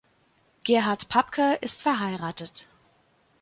Gerhard Papke ist verheiratet.